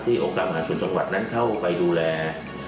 ที่โอกาสมหาศูนย์จังหวัดนั้นเข้าไปดูแล